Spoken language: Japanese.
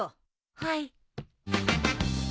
はい。